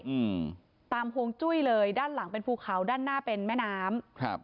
อืมตามห่วงจุ้ยเลยด้านหลังเป็นภูเขาด้านหน้าเป็นแม่น้ำครับ